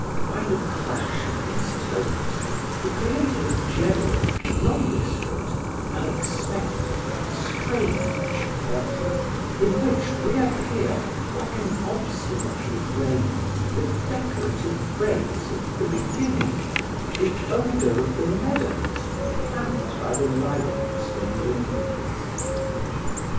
By the clash of these tones he created a general, nondescript, unexpected, strange perfume in which reappeared, like an obstinate refrain, the decorative phrase of the beginning, the odor of the meadows fanned by the lilacs and lindens.